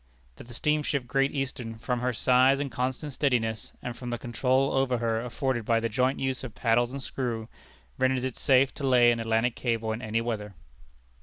That the steamship Great Eastern, from her size and constant steadiness, and from the control over her afforded by the joint use of paddles and screw, renders it safe to lay an Atlantic Cable in any weather.